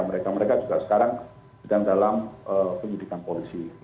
mereka mereka juga sekarang sedang dalam penyidikan polisi